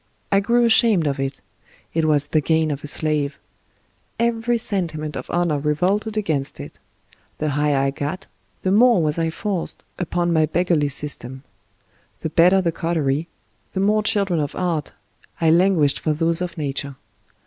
I grew ashamed of it ; it was the gain of a slave; every sentiment of honor revolted against it; the higher I got, the more was I forced upon my beggarly system ; the better the coterie, the more children of Art, I languished for those of Nature.